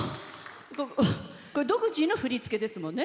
独自の振り付けですもんね。